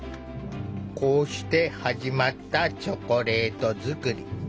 こうして始まったチョコレート作り。